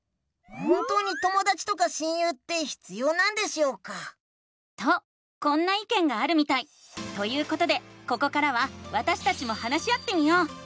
本当にともだちとか親友って必要なんでしょうか？とこんないけんがあるみたい！ということでここからはわたしたちも話し合ってみよう！